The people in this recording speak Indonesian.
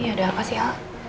ya ada apa sih al